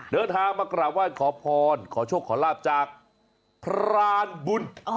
เดินทางมากราบไหว้ขอพรขอโชคขอลาบจากพรานบุญ